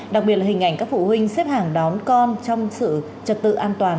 đặc biệt là hình ảnh các phụ huynh xếp hàng đón con trong sự trật tự an toàn